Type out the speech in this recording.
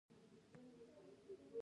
د انرژۍ سکتور ډیر عاید لري.